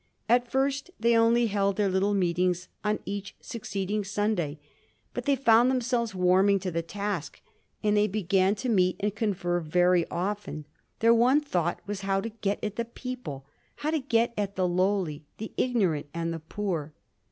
At first they only held their little meet ings on each succeeding Sunday; but they found them selves warming to the task, and they began to meet and confer very often. Their one thought was how to get at the people; how to get at the lowly, the ignorant, and the poor.